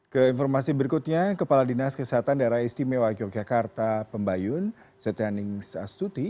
ke informasi berikutnya kepala dinas kesehatan daerah istimewa yogyakarta pembayun setianing stuti